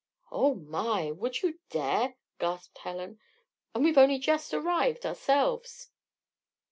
"Oh, my! would you dare?" gasped Helen. "And we've only just arrived ourselves?"